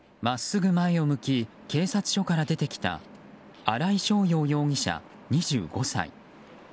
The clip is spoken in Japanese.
真っすぐ前を向き警察署から出てきた新井翔陽容疑者、２５歳。